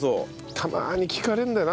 たまに聞かれるんだよな